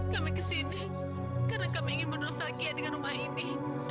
kami ke sini karena kami ingin berdosa lagi dengan rumah ini